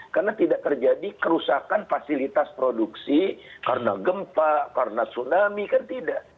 karena tidak terjadi kerusakan fasilitas produksi karena gempa karena tsunami kan tidak